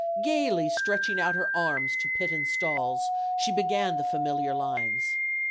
Gayly stretching out her arms to pit and stalls, she began the familiar lines.